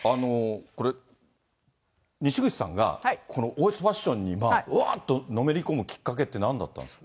これ、にしぐちさんがこの王室ファッションにうわーっとのめり込むきっかけってなんだったんですか。